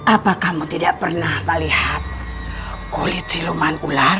apa kamu tidak pernah melihat kulit siluman ular